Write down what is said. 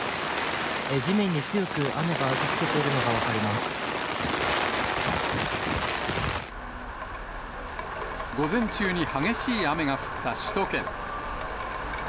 地面に強く雨が打ちつけているの午前中に激しい雨が降った首都圏。